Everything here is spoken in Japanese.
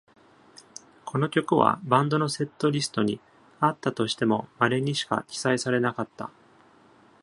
この曲はバンドのセットリストに、あったとしてもまれにしか記載されなかった。